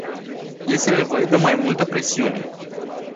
Este nevoie de mai multă presiune.